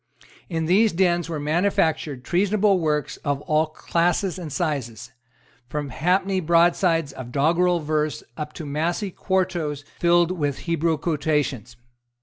In these dens were manufactured treasonable works of all classes and sizes, from halfpenny broadsides of doggrel verse up to massy quartos filled with Hebrew quotations.